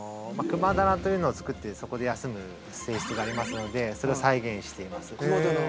◆クマ棚というのを作ってそこで休む性質がありますのでそれを再現しています。